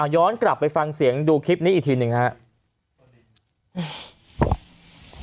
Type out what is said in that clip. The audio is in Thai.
ย้อนกลับไปฟังเสียงดูคลิปนี้อีกทีหนึ่งครับ